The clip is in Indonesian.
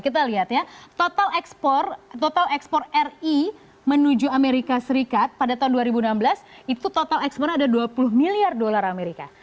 kita lihat ya total ekspor ri menuju amerika serikat pada tahun dua ribu enam belas itu total ekspornya ada dua puluh miliar dolar amerika